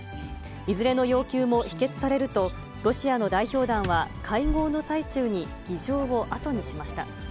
いずれの要求も否決されると、ロシアの代表団は、会合の最中に議場を後にしました。